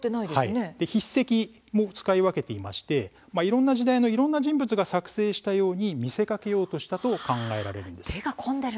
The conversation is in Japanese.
筆跡も使い分けていましていろんな時代の、いろんな人物が作成したように見せかけようとしたと考えられます。